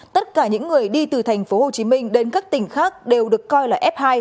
tất cả những người đi từ tp hcm đến các tỉnh khác đều được coi là f hai